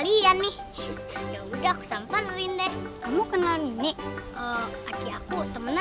sampai jumpa di video selanjutnya